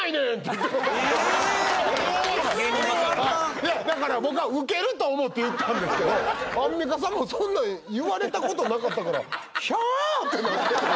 いやだから僕はウケると思って言ったんですけどアンミカさんもそんなん言われた事なかったから「ひゃあ」ってなってて。